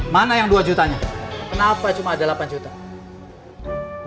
ketempuran makam sama kang kalai kejar burung